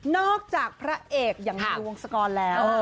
นอกจากพระเอกแห่งนายองค์ภรรษกรแล้ว